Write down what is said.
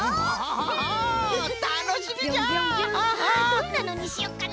どんなのにしよっかな？